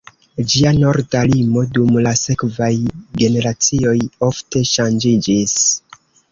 Ĝia norda limo dum la sekvaj generacioj ofte ŝanĝiĝis.